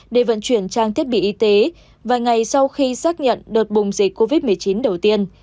để vận chuyển trang thiết bị y tế vài ngày sau khi xác nhận đợt bùng dịch covid một mươi chín đầu tiên